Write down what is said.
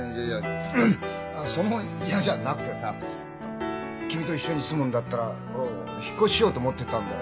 その「嫌」じゃなくてさ君と一緒に住むんだったら引っ越ししようと思ってたんだよ。